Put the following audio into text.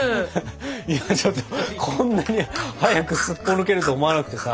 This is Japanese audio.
今ちょっとこんなに早くすっぽ抜けると思わなくてさ。